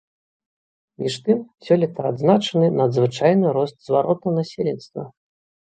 Між тым, сёлета адзначаны надзвычайны рост зваротаў насельніцтва.